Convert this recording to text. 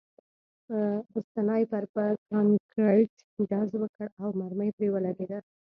سنایپر په کانکریټ ډز وکړ او مرمۍ پرې ولګېده